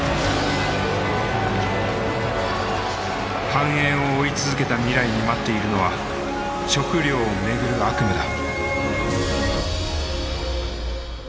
繁栄を追い続けた未来に待っているのは食料を巡る悪夢だ。